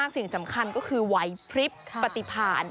สิ่งสำคัญก็คือไหวพริบปฏิผ่าน